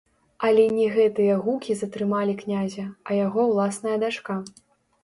Але не гэтыя гукі затрымалі князя, а яго ўласная дачка.